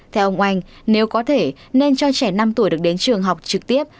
theo ông oanh nếu có thể nên cho trẻ năm tuổi được đến trường học trực tiếp